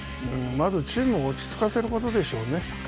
まず、チームを落ち着かせることでしょうね。